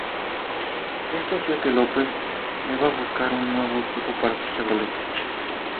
Esto hacía que López deba buscar un nuevo equipo para su Chevrolet.